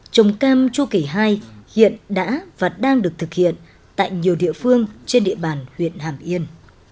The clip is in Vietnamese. trồng cam chu kỷ hai hiện đã và đang được thực hiện tại nhiều địa phương trên địa bàn huyện hàm yên